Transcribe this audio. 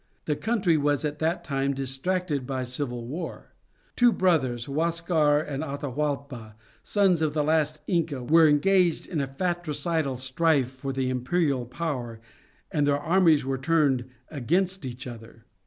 The country was at that time distracted by civil war. Two brothers, Huascar and Atahualpa, sons of the last Inca, were engaged in a fratricidal strife for the imperial power, and their armies were turned against each other.